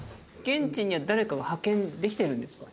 現地には誰かが派遣できてるんですか？